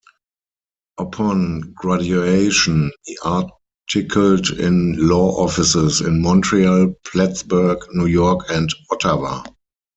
Upon graduation he articled in law offices in Montreal, Plattsburgh, New York, and Ottawa.